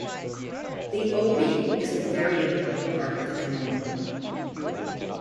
The obi is a very important part of the kimono.